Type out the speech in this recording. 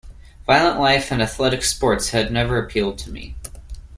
Violent life and athletic sports had never appealed to me.